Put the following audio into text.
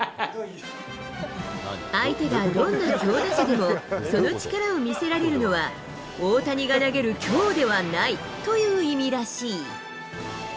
相手がどんな強打者でも、その力を見せられるのは、大谷が投げるきょうではないという意味らしい。